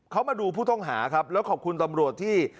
เขามาดูผู้ต้องหาครับแล้วขอบคุณตำรวจที่